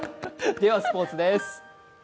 ではスポーツです。